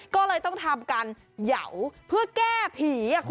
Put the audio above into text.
ก็เลยต้องทำการเยาว์เพื่อแก้ผีอะคุณ